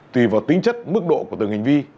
tùy vào tính chất mức độ của từng hành vi